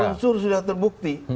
bahwa unsur sudah terbukti